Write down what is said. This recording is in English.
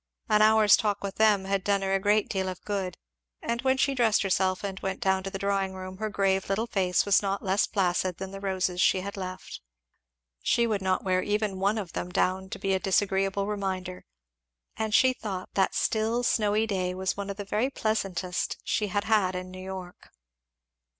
An hour's talk with them had done her a great deal of good, and when she dressed herself and went down to the drawing room her grave little face was not less placid than the roses she had left; she would not wear even one of them down to be a disagreeable reminder. And she thought that still snowy day was one of the very pleasantest she had had in New York.